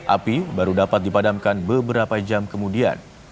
api baru dapat dipadamkan beberapa jam kemudian